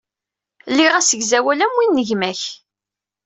Liɣ asegzawal am win n gma-k.